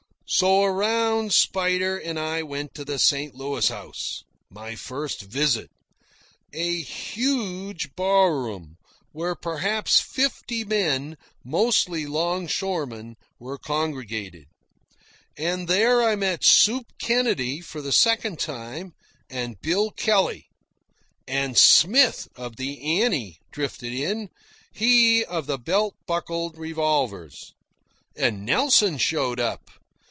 So around Spider and I went to the St. Louis House my first visit a huge bar room, where perhaps fifty men, mostly longshoremen, were congregated. And there I met Soup Kennedy for the second time, and Bill Kelley. And Smith, of the Annie, drifted in he of the belt buckled revolvers. And Nelson showed up.